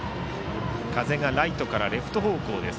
風がライトからレフト方向です。